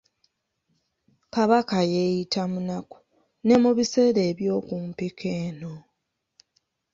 Kabaka yeeyita munaku, ne mu biseera eby'okumpiko eno.